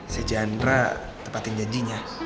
si chandra tepatin janjinya